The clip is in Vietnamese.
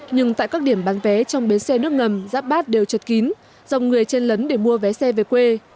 nhưng tại các điểm bán vé trong bến xe nước ngầm giáp bát đều chật kín dòng người chen lấn để mua vé xe về quê